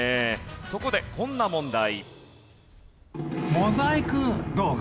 そこでこんな問題。